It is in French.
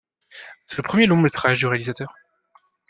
C'est le premier long-métrage du réalisateur.